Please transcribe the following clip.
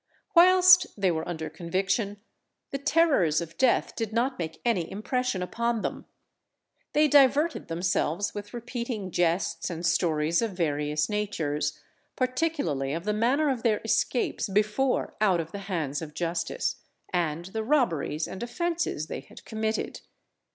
Whilst they were under conviction, the terrors of death did not make any impression upon them; they diverted themselves with repeating jests and stories of various natures, particularly of the manner of their escapes before out of the hands of justice, and the robberies and offences they had committed.